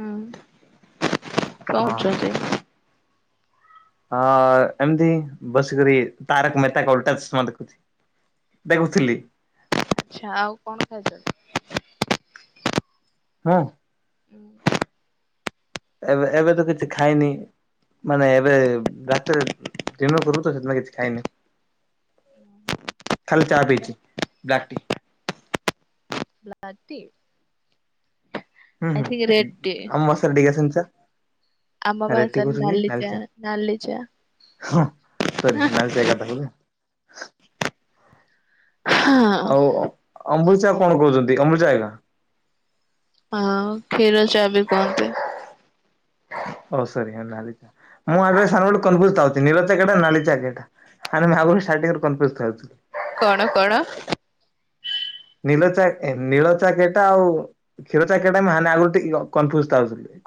ହୁଁ । କରୁଛନ୍ତି । ହଁ ଏମିତି ବସିକରି ତାରକ ମେହେତା ଓଲଟା ଚଷମା ଦେଖୁଛି ଦେଖୁଥିଲି । ଆଛା ଆଉ କଣ ଖାଇଛନ୍ତି । ହୁଁ । ଉଁ । ଏବେ ଏବେ ତ କିଛି ଖାଇନି ମାନେ ଏବେ ରାତିରେ ଦିନ କରୁ । ସେଥିପଇଁ କିଛି ଖାଇନି ଖାଲି ଚା ପିଇଚି ବ୍ଲକ୍ ଟି । Black tea. ହୁଁ ହୁଁ ଆମ ସାରେ ଡି ଗେନ୍ ସା । ଆମ ରେଡ ଭାଷାରେ କହୁଛନ୍ତି ନାଲି ଚା ନାଲି ଚା ହଁ ସରି ନାଲିଚା କାଥା କହୁଛନ୍ତି । ହଁ ଆଉ ଅମୂଲ୍ ଚା । କଣ କହୁଛନ୍ତି ଅମୁଲ ଚା ଏକା। ହଁ କ୍ଷୀର ଚା ବି କୁହନ୍ତି । ଓ ସରି ନାଲି ଚା ।ମୁଁ ଏବେ ସାଙ୍ଗ ଗୋଟେ କନପୁଯ ପାଉଛି ନୀଳ ଚା କୋଉଟା ନାଲି ଚା କୋଉଟା କାଇଁ ନା ମୁ ଆଗରୁ ସାଇଟ୍ ରେ କନ୍ଫୁଜ ପାଉଛି । କଣ କଣ ନୀଳ ଚା ନୀଳ ଚା କେଉଟା ଆଉ କ୍ଷୀର ଚା କେଉଟା ମୁ ଆଗରୁ ଟିକେ କନଫ୍ୟୁଜଉ ଥାଉଥିଲି ।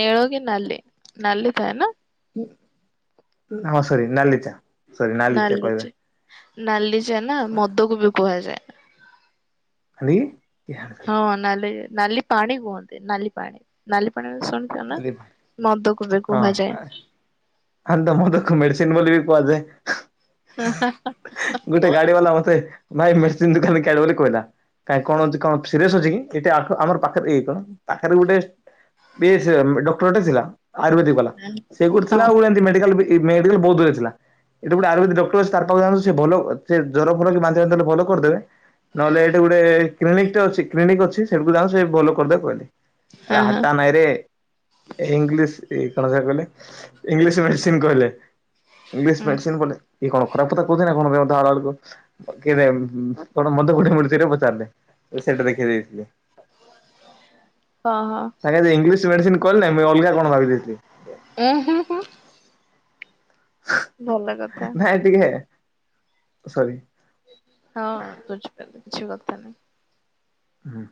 ନିଳ କି ନାଲି । ଥାଏ ନା। ହଁ ସରି ନାଲି ଚା । ନାଲି ଚା ନାଲଲି ଚା ନା ମଦ କୁୋ ବିି କୁହାଯାଏ । ହ ନି । ହଁ ନାଲି । ନାଲି ପାଣି ହୁହନ୍ତି ନାଲି ପାଣି ନାଲି ପାଣି। ଶୁଣଛ ନା ହଁ ମଦ କପ କୁହା ଯା। ଆ ତ ମ ତାକୁ ମେଡିସିନ ବୋଲି ବି କୁହାଯାଏ। ଗୋଟେ ଗାଡି ବାଲା ମତେ ଭାଇ ମେଡିସି ଦୋକାନ ଗାଡ କହିଲା କ କଣ କଣ ସିରିଏସ୍ ଅଛି କିଟ ଆମ ପାଖ କ ପାଖରେ ଗୋଟେ ଡକ୍ଟରଟେ ଥିଲା। ଆୟୁର୍ବେଦିକ ବାଲା ସେୁ ହଁ ନା ହୁନ୍ତି ମେଡିକାଲ ବି ମେଡାଲ ବହୁତୂରେ ଥିଲା ଏଠି ଗୋଟେ ଆୟୁବେଦିକ ଡକ୍ଟର ତାର ପାଖକୁ ଯାୁ ସେ ଭଲ ସେ ଜର ଫୋଲ କି ମାଲେ ଭଲ କରିଦେବେ। ନହେଲେ ଏଇଟା ଗୋଟେ କ୍ଲିନିକ ଟା ଅଛି କ୍ଲିନିକ୍ ଅଛି। ସେଠୁ ଯାଉ ସେ ଭଲ କରିଦେ କହିଲେ। ର ହଁ ହଁ ହଟା ନାହିଁରେ ଇଂଲିଶ। କଣ ଯାହା କଲେ। ଇଘଂଗ୍ଲିସ ମେଡ଼ିସିନ୍ କିଲେ। ଇଂଲିଶ ହଁ ମେଡ଼ିସିନ୍ ଗୋଟେ। କିଏ କଣ ଖରାପ କଥା କହୁ ନା କଣ ମନ୍ଦ ଗୋଡିଡି ପଚାରିଲେ ସେଇଟା ଦେଖେଇ ଦେଇଥିଲି। ହଁ ହଁ। ମେସିନ କିଲ ନା ମୁଁ ଅଲଗା କଣ ଭାବି ଦେଇଥିଲି। ଉ ହୁଁ ହୁଁ। ଭଲ କଥା ନାଇ ଟିକେ ସରି। ହଁ ବୁଝିପାରିଲ କିଛି କଥା ନହିଁ। ହୁଁ।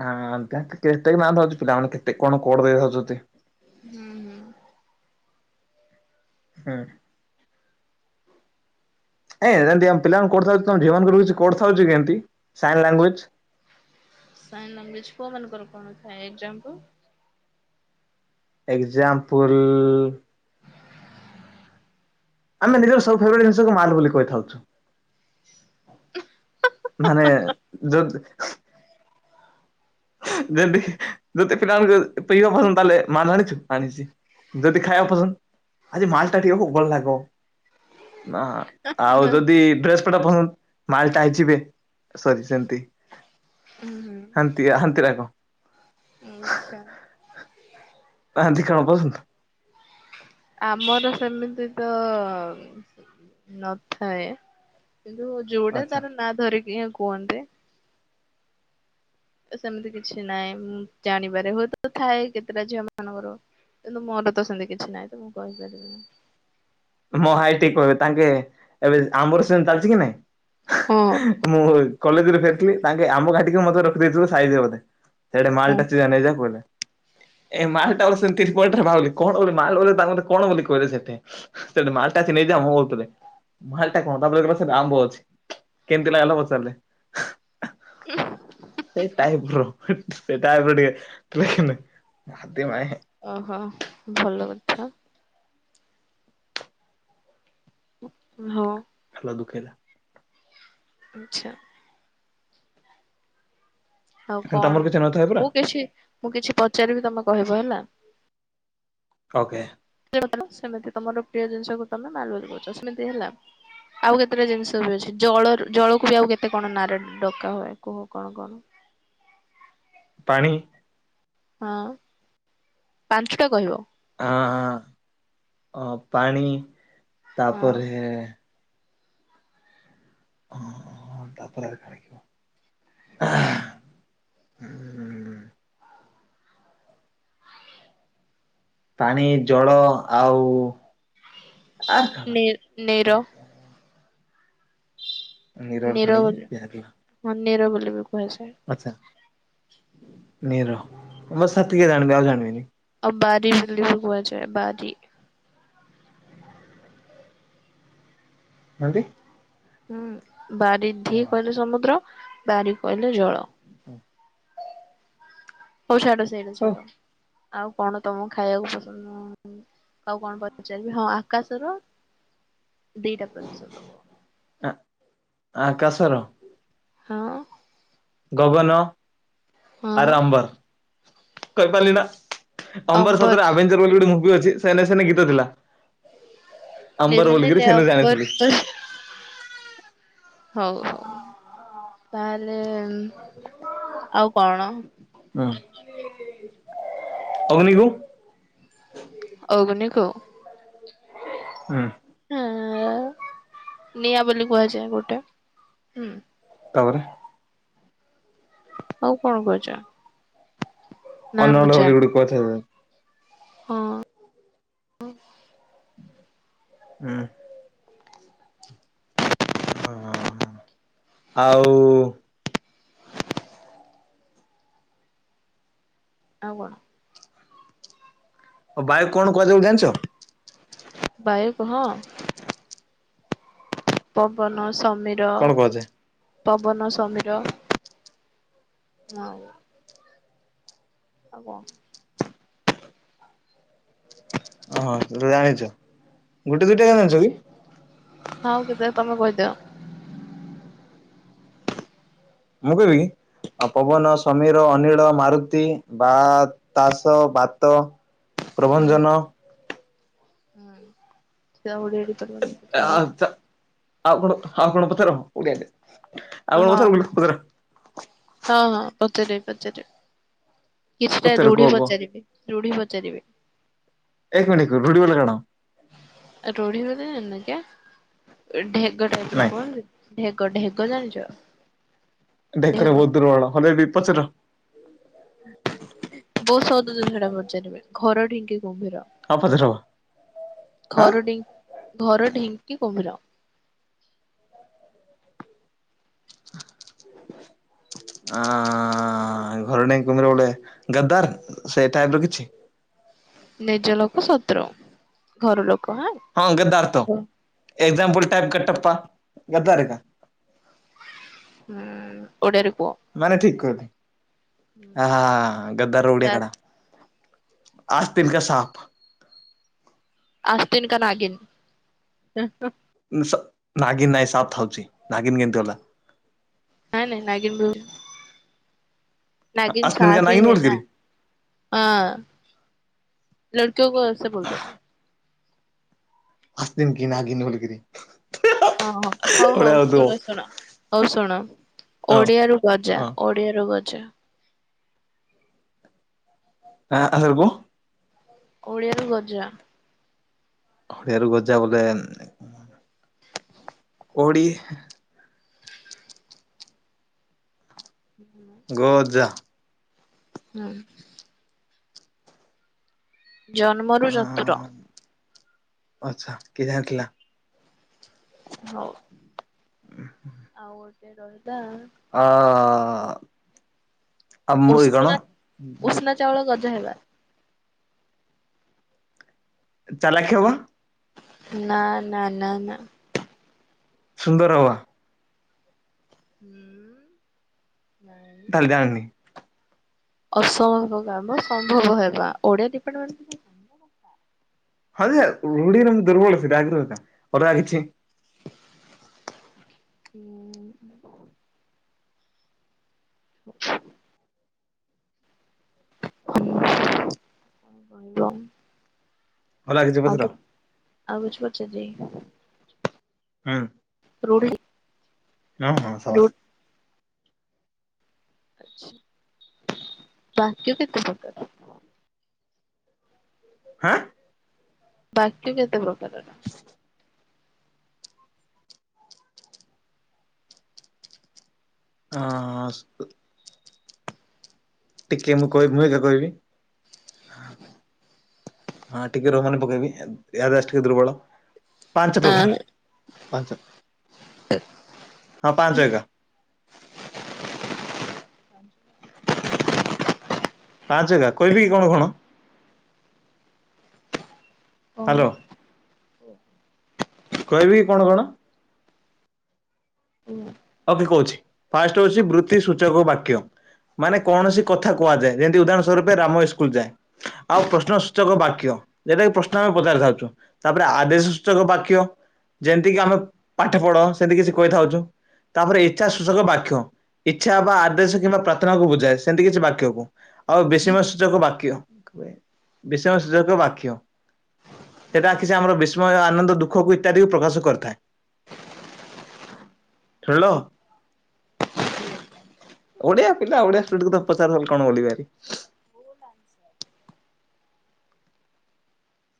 ହଁ କେତେଉଛି ପିଲାମାନେ କେତେ କଣ କୋଡ ଦେଇଥାଉଛନ୍ତି। ହୁଁ ହୁଁ। ହୁଁ। ଏ ଯେମତି ଆମେ ପିଲାଙ୍କୁ କରିଥାଉଛ ତମ ଜୀବନ କିଛି କରିଥାଉଚ କେମତି ସାଇନ୍ ଲାଙ୍ଗୁଏକ। ସାଇନ ଲଗୁଏ ଜେକଉମନଙ୍କ କର କଣ ଥାଏ ଏଜାମ୍ପ। ଏଗଜାମ୍ପଲ ଆମେ ନିଜର ସବୁ ଫେଟ୍ ଜିନିଷକୁ ମାଲ ବୋଲି କହିଥାଉଛୁ। ହ। ମାନେ ଯଦ। ଯେମିତି ଯଦି ପିଲାମାନଙ୍କୁ ପିଇବା ପସନ୍ଦ ତାହେଲେ ମାଲ ଆଣିଛୁ ଆଣିଛି ଯଦି ଖାଇବା ପସନ୍ଦ ଆଜି ମାଲଟା ଟିକେ ଭଲ ଲାଗିବ ନା। ଆଉ ଯଦି ଡ୍ରେସ୍ ଟା ମାଲଟା ହେଇଯିବେ ସରି ସେମତି। ହୁଁ ହୁଁ ଆନ୍ତିରା କ। ଆଚ୍ଛା। ଭନ୍ତିଖଣ ପାସନ। ଆମର ସେମିତି ତ ନଥାଏ। କିନ୍ତୁ ଯୋଉଟା ଆଚ୍ଛା ତାର ନାଁ ଧରିକି କୁହରେ ସେମିତି କିଛି ନାହିଁ ମୁଁ ଜାଣିପାରେ ହୁଏତ ଥାଏ କେତେଟା ଝିଅ ମାନଙ୍କର କିନ୍ତୁ ମୋର ତ ସେମିତି କିଛି ନାହିଁ ତ ମୁଁ କହିପାରିବିିନି ମୋ ହାଇ ଠିକ କହିବେ ତାଙ୍କେ ଏବେ ଆମ୍ବର ସେ ଚାଲିଛି କି ହଁ। ନାଇଁ ମୋଲ କଲେଜରେ ଫେରିଥିଲି ତାଙ୍କେ ଆମ ଘାଟିକୁ ମେ ରଖିଦେଇଥିଲଥିଲେ ସାାରିବ ବୋଧେ ସେଇଟେ ମାଲ ଟାିା ନେଇଯା ବହଲେ ଏ ମାଲ ଟା ବ ସେମିତିନିପଟରେ ମା ବୋଲି କଣ ବୋଲି ମାଲ ବୋଲିୋ ତା କଣ ବୋଲି କହିଲେ ସେଠେ ସେଠି ମାଲଟା ଅଛି ନେଇଯା ମୁ କହୁଥିଲେ ମାଲଟା କଣ ତାପରେ ଗହ ସେଠି ଆମ୍ବ ଅଛି କେମିତି ଲାଗଲା ପଚାରିଲେ ସେଇ ଟାଇପ ର ସେଟା ପଡିିବ ଟ୍ରେନ ଓହୋ ଭଲ କଛ ହଁ ଦୁଃଖରେ ଆଚଛା ଆଉ ତମର କଣ କିଛି ନଥାଏ ପରା ମୁଁ କିଛି ମୁଁ କିଛି ପଚାରିବି ତମେ କହିବ ହେଲା ଓକେ। ସେମିତି ତମର ପ୍ରିୟ ଜିନିଷକୁ ତମେ ମାଲବାଜ କରୁଛ ସେମିତି ହେଲା ଆଉ କେତେଟା ଜିନିଷ ବି ଅଛି ଜଳ ଜଳକୁ ବି ଆଉ କେତେ କଣ ନାଁରେ ଡକା ହୁଏ କୁହ କଣ କଣ। ପାଣି। ହଁ ପାଞ୍ଚଟା କହିବ। ହାଁ ହ ଅ ପାଣି। ହଁ ତାପରେ। ହ ତାପରେ ଆ କଣି ହ। ପାଣି ଜଳ ଆଉ ଆର୍ କାଣା? ନ ନେର। ନିର ୟା ପାଣି ଯାହା ବି ହେଉ। ହଁ ନିର ବୋଲି ବି। କୁହାଯାଏ ଆଚ୍ଛା ନିର। ମୁଁ ସେତିକି ଜାଣିବି ଆଉ ଜାଣିବିନି। ଆଉ ବାରି ବଲି ଭୋଗ କୁହାଯାଏ ବାରି। [inaudible] ହୁଁ। ବାରିଧି କହିଲେ ସମୁଦ୍ର। ବାରି କହିଲେ ଜଳ। ହୁଁ। ହଉ ଛାଡ଼ ସେଇଆ ହଉ ଛାଡ଼। ଆଉ କଣ ତମକୁ ଖାଇବାକୁ ପସନ୍ଦ ନ ଆଉ କଣ ପଚାରିବି ହଁ ଆକାଶର ଦିଇଟା ପ୍ରତିଶଦ୍ଦ। ଆକାଶର। ହଁ। ଗଗନ। ଆରେ ହଁ ଅମ୍ବର। କହିପାରିଲି ନା। ଅମ୍ବର ଶଦ୍ଦରେ ଆଭେଜର ବୋଲି ଗୋଟେ ମୁଁ। ଅଛି ସେନେ ସେନେ ଗୀତ ଥିଲା। ଆମ୍ବର ନେଲେ ଓଲଗିରି ନେଲେ ସେନୁ ଅମ୍ବର ଜାଣିଥିଲି। ତ ହଉ ହଉ ତାହେଲେ। ହଁ ଆଉ। କଣ? ହୁଁ ଅଗ୍ନିକୁ। ଅଗ୍ନିକୁ। ହୁଁ। ହଁ ନିଆ ବୋଲି କୁହାଯାଏ ଗୋଟେ ହୁଁ। ଆରେ। ଆଉ କଣ କୁହାଯାଏ। ନା ମୁଁ ଅନଳ ବୋଲି ଜାଣିନି। ଗୋଟେ କୁହାଯାଏ। ହଁ ହଁ। ହୁଁ। ହ ଆଉ। ଆ କଣ ଆ ବାାଇ କଣ କୁହାଯା ବୋଲି ଜାଣିଛ। ବାାଇ କ ହଁ। ପବନ ସମୀର କଣ କୁହାଯାଏ? ପବନ ସମୀର ଆଉ ଆ କ ଓ ହଁ ସେ ଜାଣିଛ। ଗୋଟେ ଦୁଇଟା ଜାଣିଛ କି। ହଉ କି ସ ତମେ କହିଦିଅ। ମୁଁ କହିବି କି ଆଉ ପବନ ସମୀର ଅନୀଳ ମାରୁତି ବା ତାସ ବାତ ପ୍ରଭଞ୍ଜନ ହୁଁ ସେଉ ପଥା ଥା ଆଉ କଣ ଆଉ କଣପତ ର ଓଡିଆ ଆଉ ହଁ କଣ ହଁ ପଚାର ବୋଲ ପଚାର ହଁ ହଁ ପଧରେ ପଧରେ କିଛିଟା ପଚାର କୁହ ରୂଢ଼ି କୁହ ପଚାରିବେ ରୂଢ଼ି ପଚାର ସେରି ଭ ଏକ ମିିନିଟ ରୁଢ଼ ବେଳେ କଣ ରୋଢି ବ ନା କିଆ ଢେ ଗଟା ନାଇଁ [unintelligible] ଢେଙ୍କ ଢେଗ ଜାଣିଛ ଢେକରା ଢେଗ ବହ ଦୁଲ ହଲେ ବି ପଚର ବହୁତ ସଉଦ ଦିନ ଡା ପଚାଲିବେ ଘର ଢିଙ୍କି କୁମ୍ଭୀର ହପଦ ରବା ଘର ଢି ଘର ଢିଙ୍କି କୁମ୍ଭିର ଆଆ ଘରଣେଇ କୁମିର ଗୋଟେ ଗଦାର ସେ ଟାଇପ ର କିଛି ନିଜ ଲୋକ ଶତ୍ରୁ ଘର ଲୋକ ହାଁ ହଁ ଗଦ୍ଦାର ତ ହୁଁ ଏକ୍ଜାମ୍ପଲ ଟାଇପ କ ଟପ୍ପା ଗଦାରଖ ହୁଁ ଉଡ଼ରେ ପୁଅ ହଁ ଗଦ୍ଦାର ରୋଡ଼ିଆ ତାର କଡା ଆସ୍ତ ଦିନ କା ସାପ। ଆସତିନ କା ନାଗିିନ। ନାଗିନ୍ ନାଇଁ ସାଫ ଥାଉଛି ନାଗିନ୍ କେମତି ହେଲା। ହଁ ନାଇଁ ନାଗିନ ନଗିନ ସଫ ହି ହେ ଏ ନା ହଁ। ଲ [unintelligible] କେଉ କ ସେ ବୋଲତ ଆସନ କି ନା କି ନ ହଲଗିରି। ହଁ ହଁ ହଉ ହଉ ଶୁଣ ଶୁଣ ହଉ ଶୁଣ ଓଡିଆରୁ ଗଜା ଓଡିଆ ରୁଗଜା। ହ ଆ ସରକୁୁ। ଓଡ଼ିଆରୁ ଗଜା। ହରିଆରୁ ଗଜ ଯା ବୋଲେ। ଓଡ଼ି ଗ ଯା। ହଁ। ଜନ୍ମରୁ ଚତୁର। ଆଛା କିଏ ଜାଣିଥିଲା? ହଉ ଆଉ ଗୋଟେ ରହି ହଁ। ହଁ। ଉ ଉଷନା ଚାଉଳ ଗଜ ହେବା। ଚାଲାଖ ହେବ? ନା ନା ନା ନା। ସୁନ୍ଦର ହବା? [unintelligible] ତାହଲେ ଜାଣିନି। ଅସମ୍ଭବ କାମ ସମ୍ଭବ ହେବା ଓଡିଆଡିପାର୍ମଣ୍ ହଯେ ରୁଡ଼ି ର ଦୁର୍ବଳ ସେଟେ ଆଗରୁ ଅଲଗା କିଛି। ହୁଁ। [inaudible] [unintelligible] ଆଉ ଆଉ ଭଲ ଲାଗିଛି ପତ୍ର କିଛି ପଚାରିବିକି? [inaudible] ହଁ। [unintelligible] ହଁ ହଁ ରୁ ସବାସ। ବାକ୍ୟ କେତେ ପ୍ରକାର? ହଁ? ବାକ୍ୟ କେତେ ପ୍ର କାରାର ହଁ ଆ ଟିକେ ମୁଁ କହିବି ମୁଁ ଏବେ କହିବି। ହଁ ଟିକେ ରହାନ ପକେଇବି ଯାଦେ ଅ ଟିକେ ଦୁର୍ବଳ। ପାଞ୍ଚ ପ୍ରକାର ଆଁ ପାଞ୍ଚ ହଁ ପାଞ୍ଚ ଏକା। [inaudible] ପାଞ୍ଚଏକା କହିବି କି କଣ କଣ? କହୁନ। ହ୍ୟାଲୋ [inaudible] କହିବି କି କଣ କଣ? କୁହ। ଓକେ କହୁଛି ଫାଷ୍ଟ ହଉଛି ବୃତ୍ତି ସୂଚକ ବାକ୍ୟ ମାନେ କୌଣସି କଥା କୁହାଯାଏ ଯେମତି ଉଦାହରଣ ସଵରୂପେ ରାମ ସ୍କୁଲ ଯାଏ ଆଉ ପ୍ରଶ୍ନ ସୂଚକ ବାକ୍ୟ ଯେଟା କି ପ୍ରଶ୍ନ ଆମେ ପଚାରିଥାଉଛୁ ତାପରେ ଆଦେଶ ସୂଚକ ବାକ୍ୟ ଯେମିତିକି ଆମେ ପାଠ ପଢ ସେମତି କିଛି କହିଥାଉଚୁ । ତାପରେ ଇଚ୍ଛା ସୂଚକ ବାକ୍ୟ ଇଚ୍ଛା ବା ଆଦେଶ କିମ୍ବା ପ୍ରାର୍ଥନାକୁ ବୁଝାଏ ସେମିତି କିଛି ବାକ୍ୟକୁ ଆଉ ବିଷମ ସୂଚକ ବାକ୍ୟ ବିଷମ ସୂଚକ ବାକ୍ୟ ସେଟା କିଛି ଆମର ବିସ୍ମୟ ଆନନ୍ଦ ଦୁଃଖକୁ ଇତ୍ୟାଦିକୁ ପ୍ରକାଶ କରିଥାଏ। ଶୁଣିଲ ଓଡିଆ ପିଲା ଓଡିଆକୁ ସ୍ଟୁଡେଣ୍ଟ ତମେ ପଚାର ଦବ କଣ ବୋଲି ଭାରି। [inaudible]